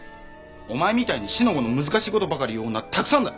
お前みたいに四の五の難しい事ばかり言う女はたくさんだ！